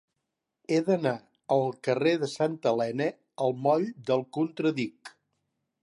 He d'anar del carrer de Santa Elena al moll del Contradic.